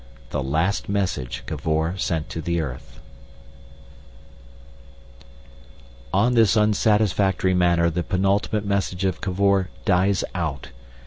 The Last Message Cavor sent to the Earth On this unsatisfactory manner the penultimate message of Cavor dies out.